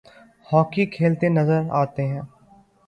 hockey کھیلتے نظر آتے ہیں